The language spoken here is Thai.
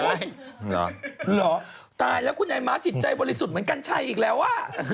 เหรอตายแล้วคุณไอ้ม้าจิตใจบริสุทธิ์เหมือนกัญชัยอีกแล้วอ่ะ